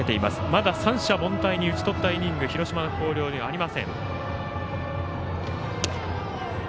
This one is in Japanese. まだ三者凡退に打ち取ったイニング広島の広陵にはありません。